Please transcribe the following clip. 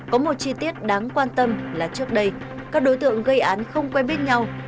có một chi tiết đáng quan tâm là trước đây các đối tượng gây án không quen biết nhau